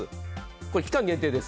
これ期間限定です。